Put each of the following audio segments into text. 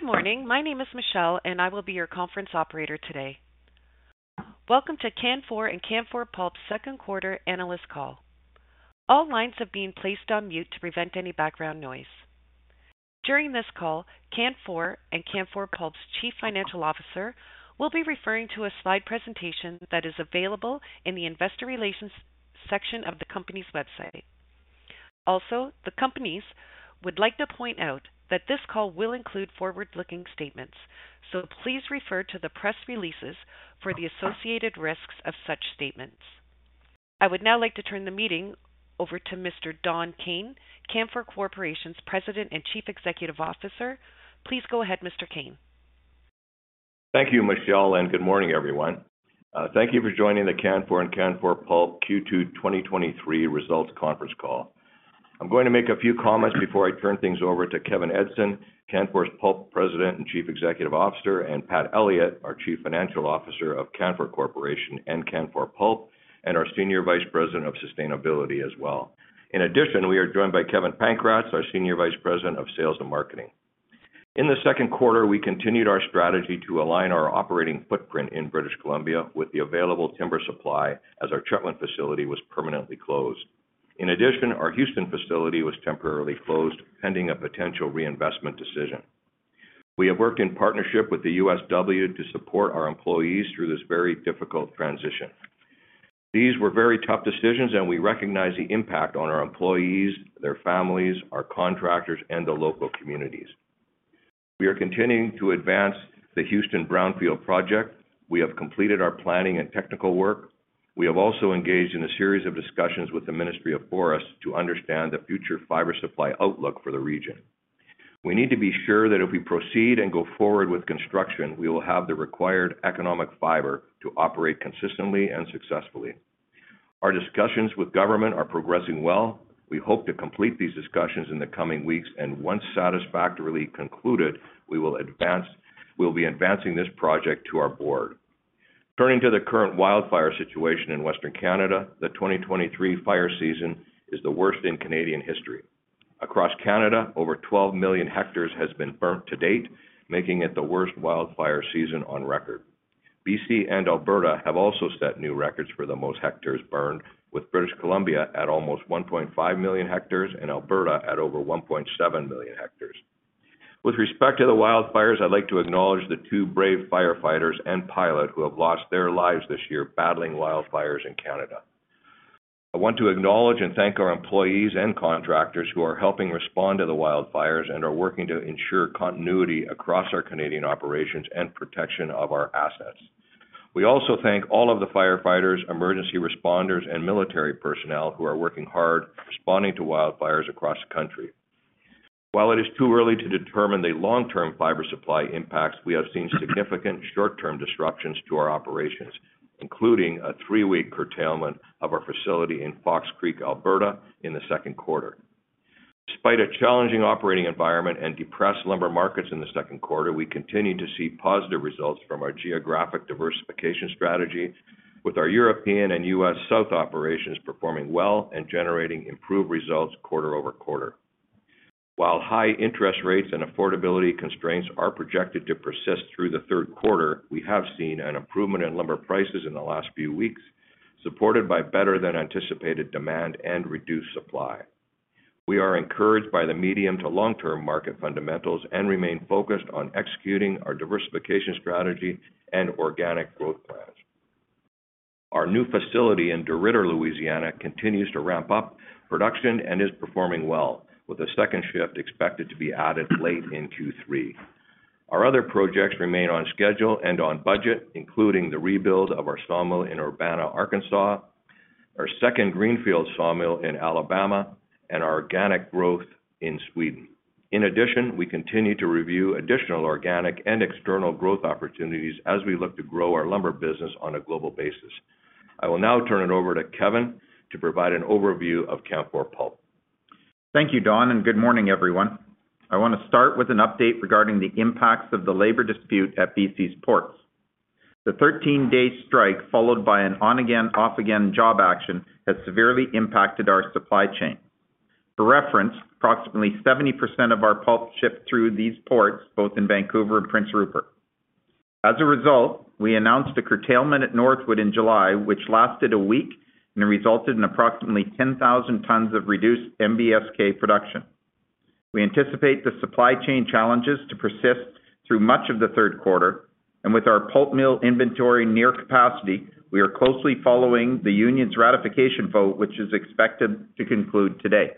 Good morning. My name is Michelle, and I will be your conference operator today. Welcome to Canfor and Canfor Pulp's Q2 analyst call. All lines have been placed on mute to prevent any background noise. During this call, Canfor and Canfor Pulp's Chief Financial Officer will be referring to a slide presentation that is available in the investor relations section of the company's website. The companies would like to point out that this call will include forward-looking statements, so please refer to the press releases for the associated risks of such statements. I would now like to turn the meeting over to Mr. Don Kayne, Canfor Corporation's President and Chief Executive Officer. Please go ahead, Mr. Kayne. Thank you, Michelle. Good morning, everyone. Thank you for joining the Canfor and Canfor Pulp Q2 2023 Results Conference Call. I'm going to make a few comments before I turn things over to Kevin Edgson, Canfor Pulp President and Chief Executive Officer, and Pat Elliott, our Chief Financial Officer of Canfor Corporation and Canfor Pulp, and our Senior Vice President of Sustainability as well. In addition, we are joined by Kevin Pankratz, our Senior Vice President of Sales and Marketing. In the Q2, we continued our strategy to align our operating footprint in British Columbia with the available timber supply as our Tremont facility was permanently closed. In addition, our Houston facility was temporarily closed, pending a potential reinvestment decision. We have worked in partnership with the USW to support our employees through this very difficult transition. These were very tough decisions, and we recognize the impact on our employees, their families, our contractors, and the local communities. We are continuing to advance the Houston Brownfield project. We have completed our planning and technical work. We have also engaged in a series of discussions with the Ministry of Forests to understand the future fiber supply outlook for the region. We need to be sure that if we proceed and go forward with construction, we will have the required economic fiber to operate consistently and successfully. Our discussions with government are progressing well. We hope to complete these discussions in the coming weeks, and once satisfactorily concluded, we'll be advancing this project to our board. Turning to the current wildfire situation in Western Canada, the 2023 fire season is the worst in Canadian history. Across Canada, over 12 million hectares has been burnt to date, making it the worst wildfire season on record. BC and Alberta have also set new records for the most hectares burned, with British Columbia at almost 1.5 million hectares and Alberta at over 1.7 million hectares. With respect to the wildfires, I'd like to acknowledge the two brave firefighters and pilot who have lost their lives this year battling wildfires in Canada. I want to acknowledge and thank our employees and contractors who are helping respond to the wildfires and are working to ensure continuity across our Canadian operations and protection of our assets. We also thank all of the firefighters, emergency responders, and military personnel who are working hard, responding to wildfires across the country. While it is too early to determine the long-term fiber supply impacts, we have seen significant short-term disruptions to our operations, including a three-week curtailment of our facility in Fox Creek, Alberta, in the Q2. Despite a challenging operating environment and depressed lumber markets in the Q2, we continued to see positive results from our geographic diversification strategy with our European and US South operations performing well and generating improved results quarter-over-quarter. While high interest rates and affordability constraints are projected to persist through the Q3, we have seen an improvement in lumber prices in the last few weeks, supported by better than anticipated demand and reduced supply. We are encouraged by the medium to long-term market fundamentals and remain focused on executing our diversification strategy and organic growth plans. Our new facility in DeRidder, Louisiana, continues to ramp up production and is performing well, with a second shift expected to be added late in Q3. Our other projects remain on schedule and on budget, including the rebuild of our sawmill in Urbana, Arkansas, our second Greenfield sawmill in Alabama, and our organic growth in Sweden. In addition, we continue to review additional organic and external growth opportunities as we look to grow our lumber business on a global basis. I will now turn it over to Kevin to provide an overview of Canfor Pulp. Thank you, Don. Good morning, everyone. I want to start with an update regarding the impacts of the labor dispute at BC's ports. The 13-day strike, followed by an on-again, off-again job action, has severely impacted our supply chain. For reference, approximately 70% of our pulp shipped through these ports, both in Vancouver and Prince Rupert. As a result, we announced a curtailment at Northwood in July, which lasted a week and resulted in approximately 10,000 tons of reduced NBSK production. We anticipate the supply chain challenges to persist through much of the Q3. With our pulp mill inventory near capacity, we are closely following the union's ratification vote, which is expected to conclude today.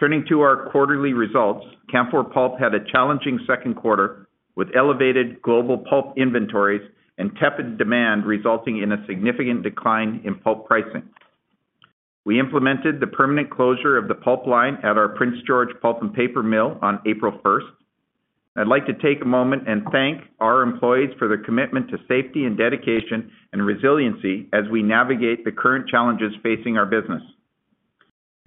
Turning to our quarterly results, Canfor Pulp had a challenging Q2, with elevated global pulp inventories and tepid demand resulting in a significant decline in pulp pricing. We implemented the permanent closure of the pulp line at our Prince George Pulp and Paper mill on April first. I'd like to take a moment and thank our employees for their commitment to safety and dedication and resiliency as we navigate the current challenges facing our business.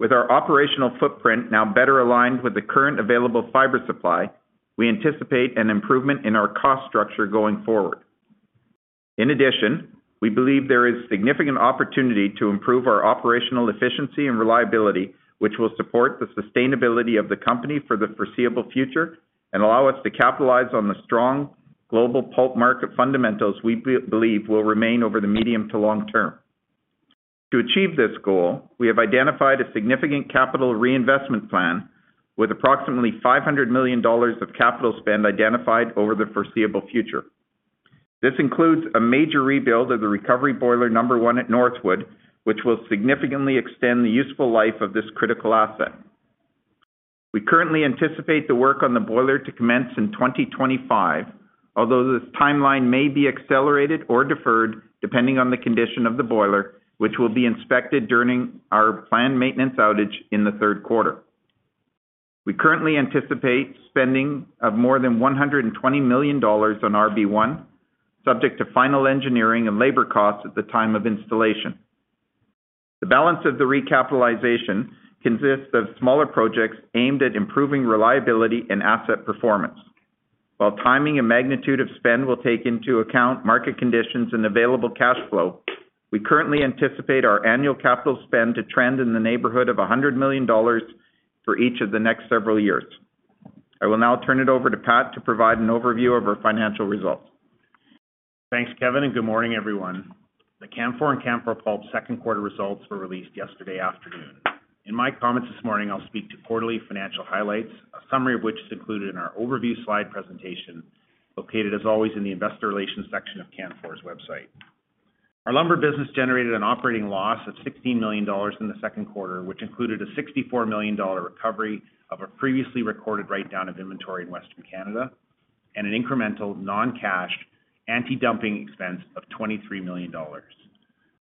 With our operational footprint now better aligned with the current available fiber supply, we anticipate an improvement in our cost structure going forward. In addition, we believe there is significant opportunity to improve our operational efficiency and reliability, which will support the sustainability of the company for the foreseeable future and allow us to capitalize on the strong global pulp market fundamentals we believe will remain over the medium to long term. To achieve this goal, we have identified a significant capital reinvestment plan with approximately 500 million dollars of capital spend identified over the foreseeable future. This includes a major rebuild of the recovery boiler number one at Northwood, which will significantly extend the useful life of this critical asset. We currently anticipate the work on the boiler to commence in 2025, although this timeline may be accelerated or deferred, depending on the condition of the boiler, which will be inspected during our planned maintenance outage in the Q3. We currently anticipate spending of more than 120 million dollars on RB-One, subject to final engineering and labor costs at the time of installation. The balance of the recapitalization consists of smaller projects aimed at improving reliability and asset performance. While timing and magnitude of spend will take into account market conditions and available cash flow, we currently anticipate our annual capital spend to trend in the neighborhood of 100 million dollars for each of the next several years. I will now turn it over to Pat to provide an overview of our financial results. Thanks, Kevin. Good morning, everyone. The Canfor and Canfor Pulp Q2 results were released yesterday afternoon. In my comments this morning, I'll speak to quarterly financial highlights, a summary of which is included in our overview slide presentation, located, as always, in the investor relations section of Canfor's website. Our lumber business generated an operating loss of $16 million in the Q2, which included a $64 million recovery of a previously recorded write-down of inventory in Western Canada, and an incremental non-cash antidumping expense of $23 million.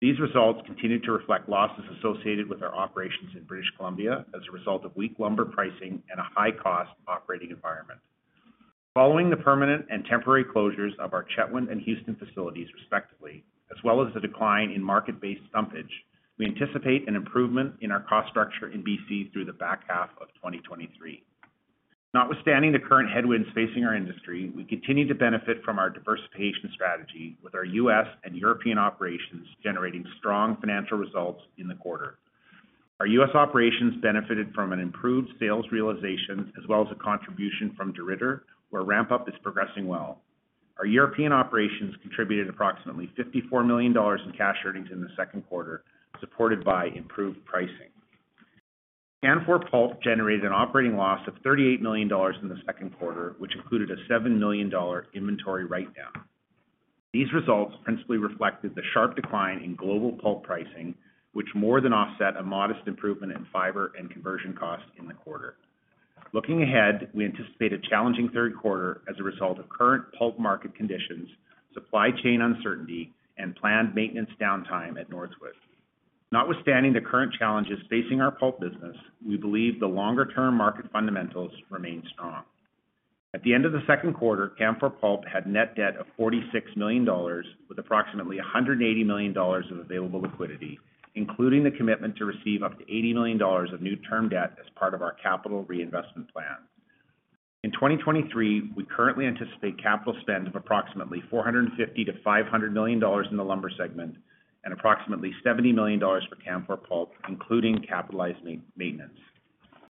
These results continued to reflect losses associated with our operations in British Columbia as a result of weak lumber pricing and a high-cost operating environment. Following the permanent and temporary closures of our Chetwynd and Houston facilities, respectively, as well as the decline in market-based stumpage, we anticipate an improvement in our cost structure in BC through the back half of 2023. Notwithstanding the current headwinds facing our industry, we continue to benefit from our diversification strategy, with our US and European operations generating strong financial results in the quarter. Our US operations benefited from an improved sales realization, as well as a contribution from DeRidder, where ramp-up is progressing well. Our European operations contributed approximately $54 million in cash earnings in the Q2, supported by improved pricing. Canfor Pulp generated an operating loss of $38 million in the Q2, which included a $7 million inventory writedown. These results principally reflected the sharp decline in global pulp pricing, which more than offset a modest improvement in fiber and conversion costs in the quarter. Looking ahead, we anticipate a challenging Q3 as a result of current pulp market conditions, supply chain uncertainty, and planned maintenance downtime at Northwood. Notwithstanding the current challenges facing our pulp business, we believe the longer-term market fundamentals remain strong. At the end of the Q2, Canfor Pulp had net debt of $46 million, with approximately $180 million of available liquidity, including the commitment to receive up to $80 million of new term debt as part of our capital reinvestment plan. In 2023, we currently anticipate capital spend of approximately $450 million-$500 million in the lumber segment and approximately $70 million for Canfor Pulp, including capitalized maintenance.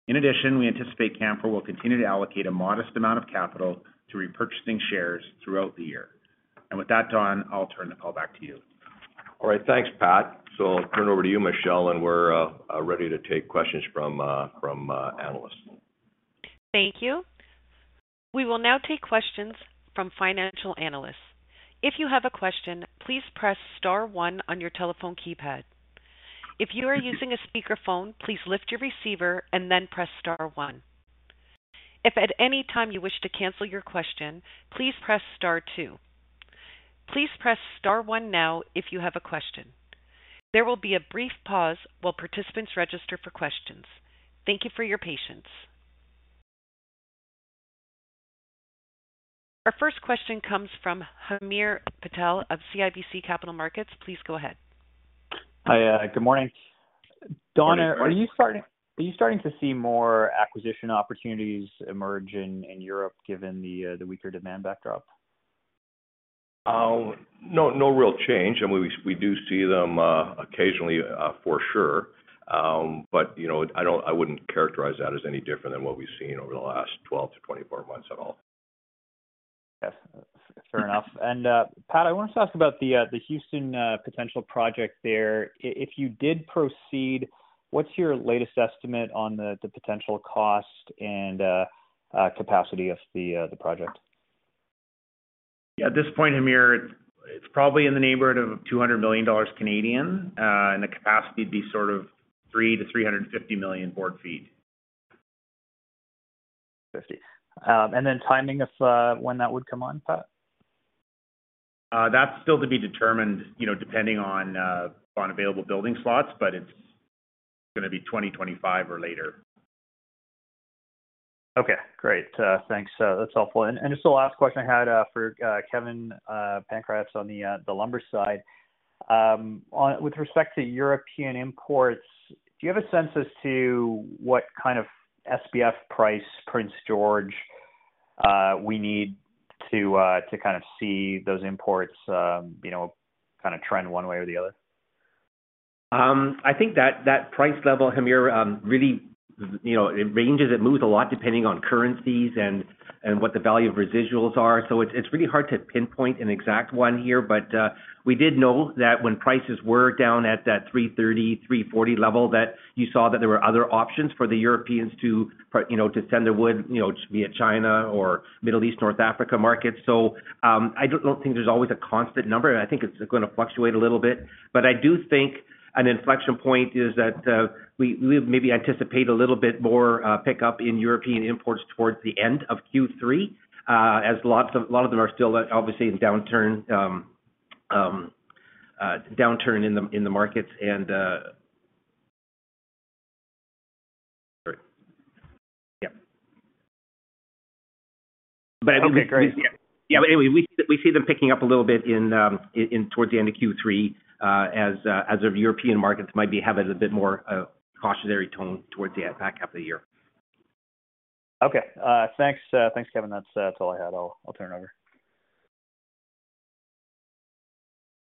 In addition, we anticipate Canfor will continue to allocate a modest amount of capital to repurchasing shares throughout the year. With that, Don, I'll turn the call back to you. All right, thanks, Pat. I'll turn it over to you, Michelle, and we're ready to take questions from analysts. Thank you. We will now take questions from financial analysts. If you have a question, please press star one on your telephone keypad. If you are using a speakerphone, please lift your receiver and then press star one. If at any time you wish to cancel your question, please press star two. Please press star one now if you have a question. There will be a brief pause while participants register for questions. Thank you for your patience. Our first question comes from Hamir Patel of CIBC Capital Markets. Please go ahead. Hi, good morning. Don, are you starting to see more acquisition opportunities emerge in Europe, given the weaker demand backdrop? No, no real change, and we, we do see them occasionally for sure. You know, I wouldn't characterize that as any different than what we've seen over the last 12 to 24 months at all. Yes, fair enough. Pat, I wanted to ask about the, the Houston, potential project there. If you did proceed, what's your latest estimate on the, the potential cost and, capacity of the, the project? At this point, Hamir, it's probably in the neighborhood of 200 million Canadian dollars, and the capacity would be sort of 3 million-350 million board feet. 50. Timing of when that would come on, Pat? That's still to be determined, you know, depending on available building slots, but it's gonna be 2025 or later. Okay, great. Thanks. That's helpful. Just the last question I had for Kevin Pankratz on the lumber side. On, with respect to European imports, do you have a sense as to what kind of SPF price Prince George we need to to kind of see those imports, you know, kind of trend one way or the other? I think that, that price level, Hamir, really, you know, it ranges, it moves a lot depending on currencies and, and what the value of residuals are. It's, it's really hard to pinpoint an exact one here, but we did know that when prices were down at that $330-$340 level, that you saw that there were other options for the Europeans to you know, to send their wood, you know, to via China or Middle East, North Africa markets. I don't think there's always a constant number, and I think it's gonna fluctuate a little bit. I do think an inflection point is that, we, we maybe anticipate a little bit more, pickup in European imports towards the end of Q3, as lots of-- a lot of them are still, obviously, in downturn, downturn in the, in the markets, and, yeah. Okay, great. Anyway, we, we see them picking up a little bit in, in towards the end of Q3, as, as the European markets might be having a bit more of a cautionary tone towards the back half of the year. Okay. thanks, thanks, Kevin. That's, that's all I had. I'll, I'll turn it over.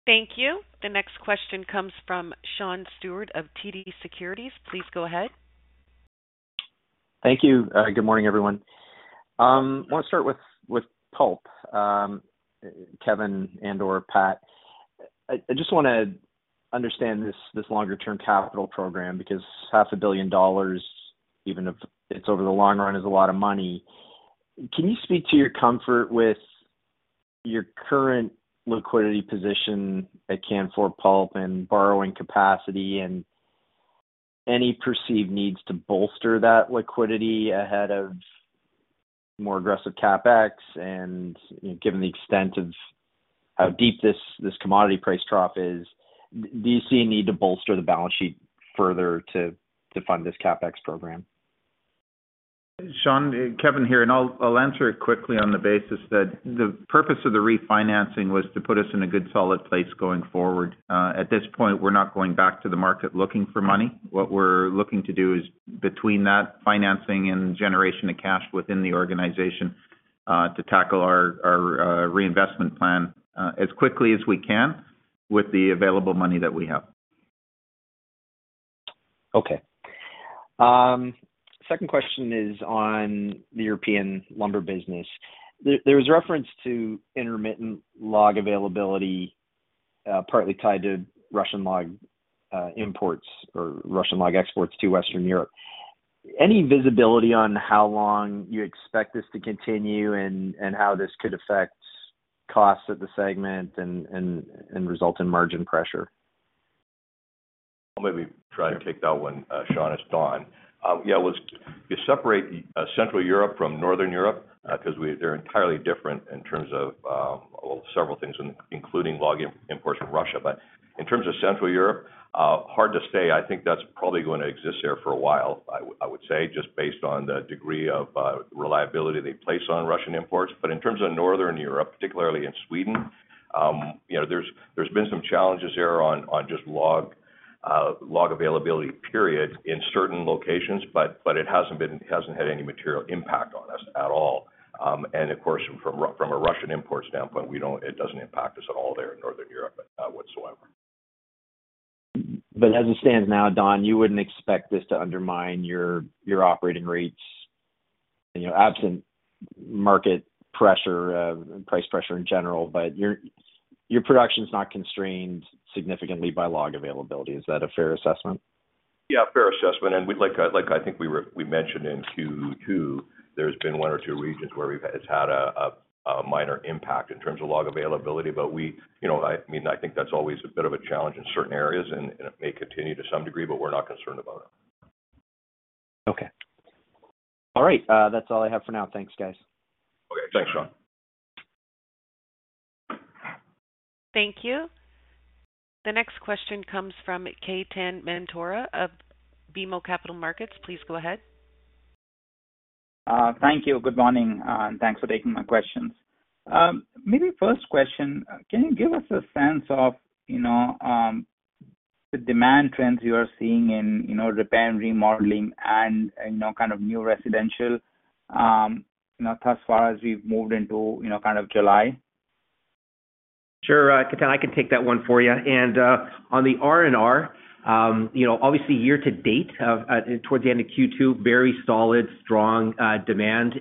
Thank you. The next question comes from Sean Stewart of TD Securities. Please go ahead. Thank you. Good morning, everyone. I want to start with, with pulp. Kevin and/or Pat, I, I just wanna understand this, this longer-term capital program, because 500 million dollars, even if it's over the long run, is a lot of money. Can you speak to your comfort with your current liquidity position at Canfor Pulp and borrowing capacity and any perceived needs to bolster that liquidity ahead of more aggressive CapEx? Given, you know, the extent of how deep this, this commodity price drop is, do you see a need to bolster the balance sheet further to, to fund this CapEx program? Sean, Kevin here, and I'll, I'll answer it quickly on the basis that the purpose of the refinancing was to put us in a good, solid place going forward. At this point, we're not going back to the market looking for money. What we're looking to do is between that financing and generation of cash within the organization, to tackle our, our, reinvestment plan, as quickly as we can with the available money that we have. Okay. Second question is on the European lumber business. There, there was reference to intermittent log availability, partly tied to Russian log imports or Russian log exports to Western Europe. Any visibility on how long you expect this to continue and, and how this could affect costs of the segment and, and, and result in margin pressure? I'll maybe try to take that one, Sean. It's Don. Yeah, was. You separate Central Europe from Northern Europe because they're entirely different in terms of, well, several things, including log imports from Russia. In terms of Central Europe, hard to say. I think that's probably going to exist there for a while, I would say, just based on the degree of reliability they place on Russian imports. In terms of Northern Europe, particularly in Sweden, you know, there's, there's been some challenges there on, on just log, log availability period in certain locations, but it hasn't had any material impact on us at all. And of course, from a, from a Russian import standpoint, it doesn't impact us at all there in Northern Europe whatsoever. As it stands now, Don, you wouldn't expect this to undermine your, your operating rates, you know, absent market pressure, price pressure in general, but your, your production is not constrained significantly by log availability. Is that a fair assessment? Yeah, fair assessment. We'd like, like I think we mentioned in Q2, there's been one or two regions where we've. It's had a minor impact in terms of log availability, but we, you know, I mean, I think that's always a bit of a challenge in certain areas, and it may continue to some degree, but we're not concerned about it. Okay. All right, that's all I have for now. Thanks, guys. Okay. Thanks, Sean. Thank you. The next question comes from Ketan Mamtora of BMO Capital Markets. Please go ahead. Thank you. Good morning, and thanks for taking my questions. Maybe first question, can you give us a sense of the demand trends you are seeing in repair and remodeling and new residential thus far as we've moved into July? Sure, Ketan, I can take that one for you. On the R&R, obviously year to date towards the end of Q2, very solid, strong demand.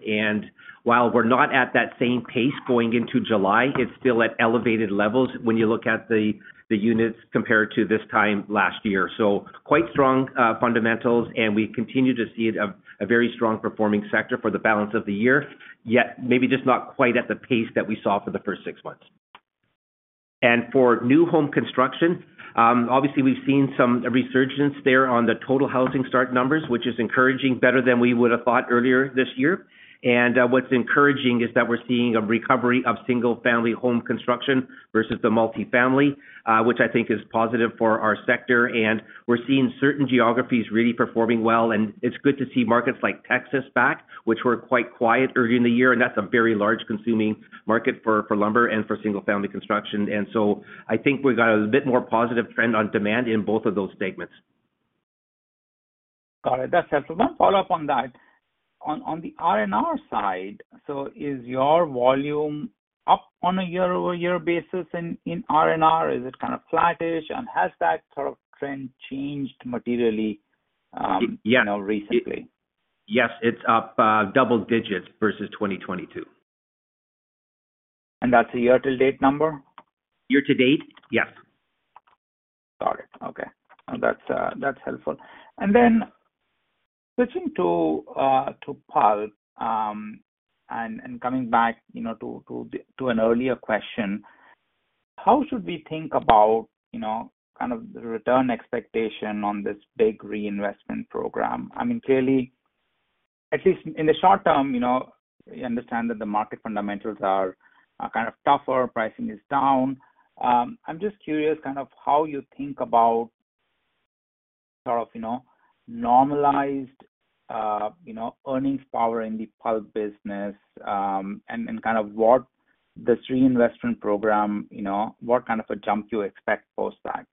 While we're not at that same pace going into July, it's still at elevated levels when you look at the units compared to this time last year. Quite strong fundamentals, we continue to see a very strong performing sector for the balance of the year, yet maybe just not quite at the pace that we saw for the first 6 months. For new home construction, obviously, we've seen some resurgence there on the total housing start numbers, which is encouraging better than we would have thought earlier this year. What's encouraging is that we're seeing a recovery of single-family home construction versus the multifamily, which I think is positive for our sector. We're seeing certain geographies really performing well, and it's good to see markets like Texas back, which were quite quiet earlier in the year, and that's a very large consuming market for, for lumber and for single-family construction. So I think we've got a bit more positive trend on demand in both of those segments. Got it. That's helpful. One follow-up on that. On, on the RNR side, so is your volume up on a year-over-year basis in, in RNR? Is it kind of flattish, and has that sort of trend changed materially, you know, recently? Yes, it's up, double digits versus 2022. That's a year-to-date number? Year-to-date? Yes. Got it. Okay. Well, that's helpful. Switching to pulp, coming back, you know, to an earlier question, how should we think about, you know, kind of the return expectation on this big reinvestment program? I mean, clearly, at least in the short term, you know, we understand that the market fundamentals are, are kind of tougher, pricing is down. I'm just curious, kind of how you think about sort of, you know, normalized, you know, earnings power in the pulp business, and kind of what this reinvestment program, you know, what kind of a jump you expect post that?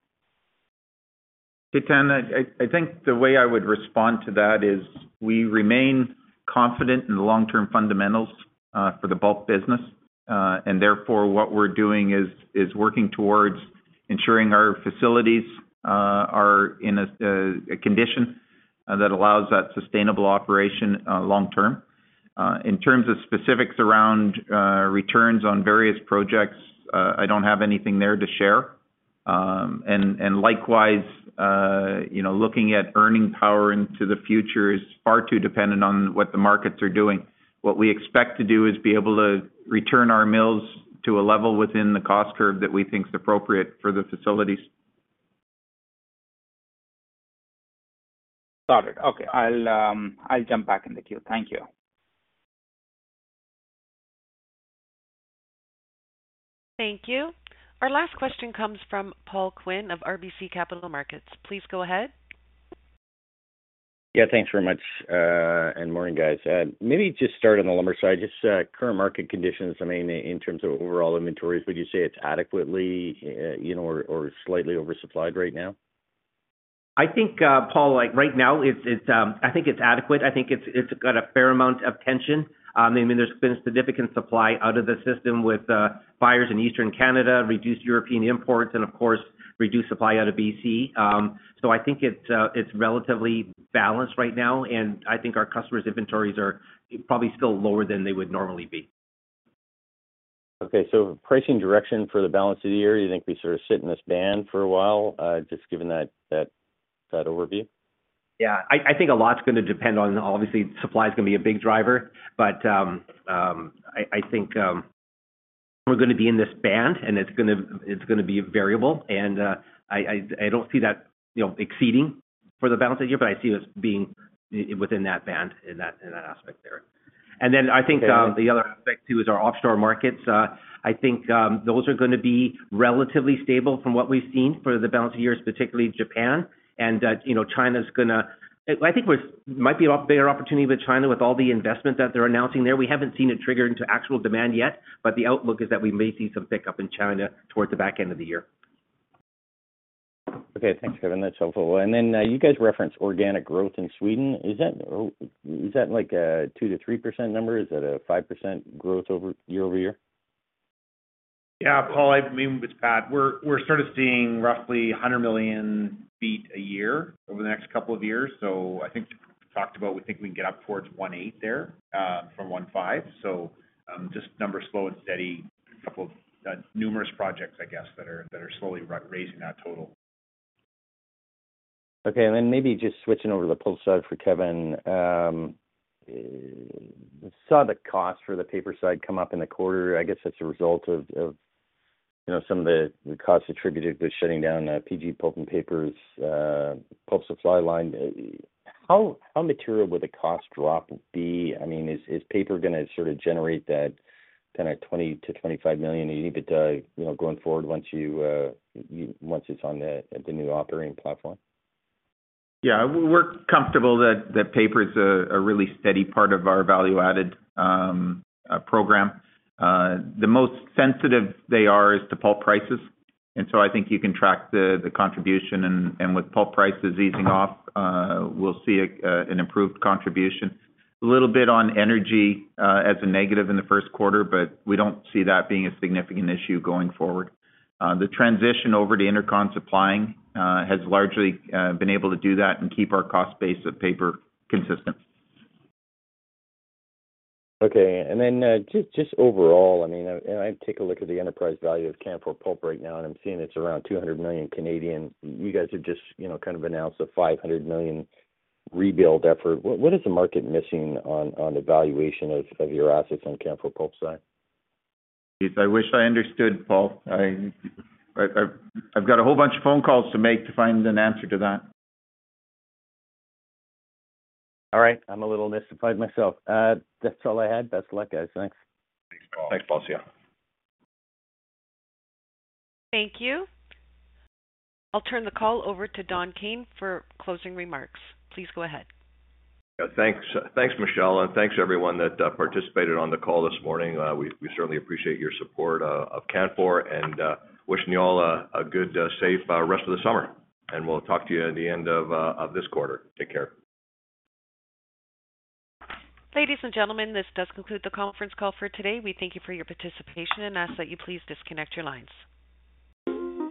Ketan, I, I think the way I would respond to that is, we remain confident in the long-term fundamentals for the bulk business, and therefore, what we're doing is, is working towards ensuring our facilities are in a condition that allows that sustainable operation long term. In terms of specifics around returns on various projects, I don't have anything there to share. Likewise, you know, looking at earning power into the future is far too dependent on what the markets are doing. What we expect to do is be able to return our mills to a level within the cost curve that we think is appropriate for the facilities. Got it. Okay, I'll jump back in the queue. Thank you. Thank you. Our last question comes from Paul Quinn of RBC Capital Markets. Please go ahead. Yeah, thanks very much. Morning, guys. Maybe just start on the lumber side, just, current market conditions, I mean, in terms of overall inventories, would you say it's adequately, you know, or, or slightly oversupplied right now? I think, Paul, like, right now, it's, it's, I think it's adequate. I think it's, it's got a fair amount of tension. I mean, there's been a significant supply out of the system with buyers in Eastern Canada, reduced European imports, and of course, reduced supply out of BC. I think it's, it's relatively balanced right now, and I think our customers' inventories are probably still lower than they would normally be. Okay, pricing direction for the balance of the year, you think we sort of sit in this band for a while, just given that, that, that overview? Yeah. I think a lot's gonna depend on. Obviously, supply is gonna be a big driver, but I think we're gonna be in this band, and it's gonna, it's gonna be variable. I don't see that, you know, exceeding for the balance of the year, but I see us being within that band, in that, in that aspect there. Then I think the other aspect, too, is our offshore markets. I think those are gonna be relatively stable from what we've seen for the balance of the years, particularly Japan. You know, China's gonna. I think there's might be a better opportunity with China, with all the investment that they're announcing there. We haven't seen it trigger into actual demand yet, but the outlook is that we may see some pickup in China towards the back end of the year. Okay, thanks, Kevin. That's helpful. You guys referenced organic growth in Sweden. Is that like a 2%-3% number? Is that a 5% growth year-over-year? Yeah, Paul, I, I mean, it's Pat. We're, we're sort of seeing roughly 100 million feet a year over the next couple of years. I think we talked about, we think we can get up towards 1.8 there, from 1.5. Just numbers slow and steady, a couple of numerous projects, I guess, that are, that are slowly raising that total. Then maybe just switching over to the pulp side for Kevin, saw the cost for the paper side come up in the quarter. I guess that's a result of, of, you know, some of the costs attributed to shutting down Prince George Pulp and Paper's pulp supply line. How, how material would the cost drop be? I mean, is paper gonna sort of generate that kind of 20 million-25 million EBITDA, you know, going forward once you, you, once it's on the new operating platform? Yeah. We're comfortable that, that paper is a really steady part of our value-added program. The most sensitive they are is to pulp prices, and so I think you can track the contribution, and with pulp prices easing off, we'll see an improved contribution. A little bit on energy as a negative in the Q1, but we don't see that being a significant issue going forward. The transition over to Intercon supplying has largely been able to do that and keep our cost base of paper consistent. Okay. Then, just overall, I take a look at the enterprise value of Canfor Pulp right now, and I'm seeing it's around 200 million. You guys have just, you know, kind of announced a 500 million rebuild effort. What is the market missing on the valuation of your assets on Canfor Pulp side? I wish I understood, Paul. I've got a whole bunch of phone calls to make to find an answer to that. All right. I'm a little mystified myself. That's all I had. Best of luck, guys. Thanks. Thanks, Paul. Thanks, Paul. See you. Thank you. I'll turn the call over to Don Kayne for closing remarks. Please go ahead. Yeah, thanks. Thanks, Michelle, and thanks to everyone that participated on the call this morning. We certainly appreciate your support of Canfor, and wishing you all a good, safe, rest of the summer. We'll talk to you at the end of this quarter. Take care. Ladies and gentlemen, this does conclude the conference call for today. We thank you for your participation and ask that you please disconnect your lines.